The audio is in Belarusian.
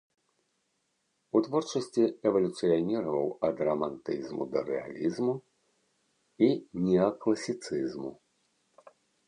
У творчасці эвалюцыяніраваў ад рамантызму да рэалізму і неакласіцызму.